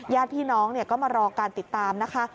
ญาติพี่น้องก็มารอการติดตามนะคะ